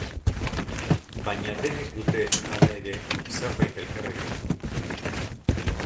Baina denek dute, hala ere, zerbait elkarrekin.